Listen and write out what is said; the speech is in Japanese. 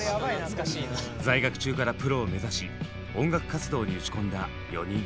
在学中からプロを目指し音楽活動に打ち込んだ４人。